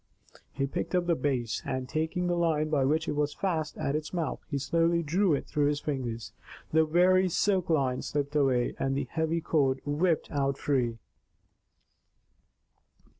He picked up the Bass, and taking the line by which it was fast at its mouth, he slowly drew it through his fingers. The wiry silk line slipped away, and the heavy cord whipped out free.